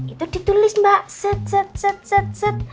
itu ditulis mbak set set set set set